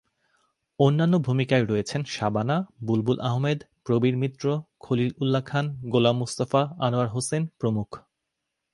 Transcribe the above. অন্যান্য ভূমিকায় রয়েছেন শাবানা, বুলবুল আহমেদ, প্রবীর মিত্র, খলিল উল্লাহ খান, গোলাম মুস্তাফা, আনোয়ার হোসেন প্রমুখ।